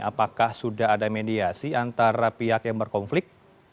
apakah sudah ada mediasi antara pihak yang berkonflik